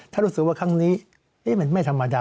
ถ้ารู้สึกว่าครั้งนี้มันไม่ธรรมดา